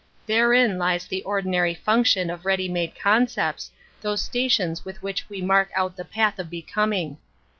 Therein lies the oi ^ nary function of ready made concepts, thi iBtations with which we mark out the path of becoming.